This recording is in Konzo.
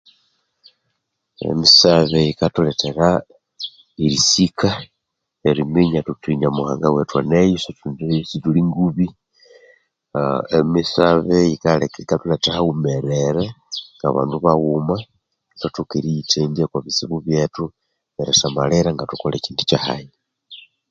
Emisabe yikathulhethera erisika neriminya thuthi nyamughangawethu aneyo sithulhingubi aaaaa emisabe yikathuletha haghumerere nabandu baghuma etwathoka erighethendwa okwabuthibu byethinerisamarira ngathukolechahayi